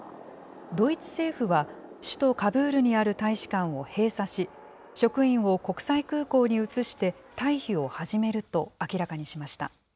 ドイツ政府は、首都カブールにある大使館を閉鎖し、職員を国際空港に移して、退避を始めると明らかにしました。